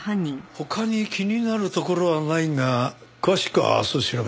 他に気になるところはないが詳しくは明日調べる。